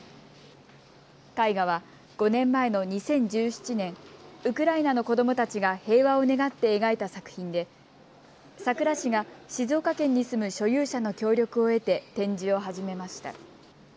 絵画は５年前の２０１７年、ウクライナの子どもたちが平和を願って描いた作品で佐倉市が静岡県に住む所有者の協力を得て展示を始めました。